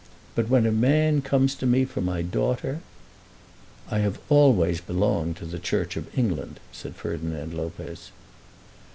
But when a man comes to me for my daughter " "I have always belonged to the Church of England," said Ferdinand Lopez.